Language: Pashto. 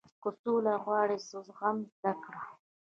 • که سوله غواړې، زغم زده کړه.